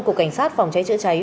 cục cảnh sát phòng cháy chữa cháy